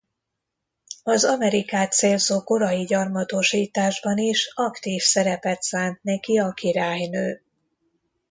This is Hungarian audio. Az Amerikát célzó korai gyarmatosításban is aktív szerepet szánt neki a királynő.